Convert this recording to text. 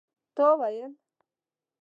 تا وویل?